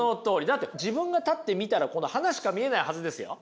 だって自分が立って見たらこの花しか見えないはずですよ？